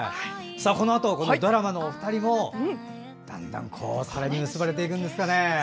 このあとドラマのお二人もさらに結ばれていくんですかね。